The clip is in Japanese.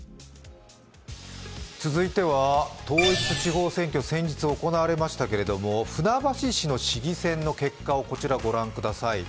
続いては統一地方選挙、先日行われましたけれど船橋市の市議選の結果をご覧ください。